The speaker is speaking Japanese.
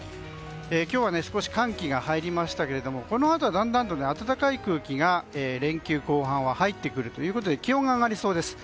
今日は少し寒気が入りましたがこのあとはだんだんと暖かい空気が連休後半は入ってくるということで気温が上がりそうです。